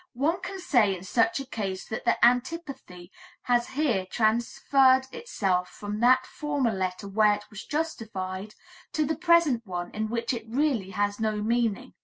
One can say in such a case that the antipathy has here transferred itself from that former letter where it was justified to the present one in which it really has no meaning.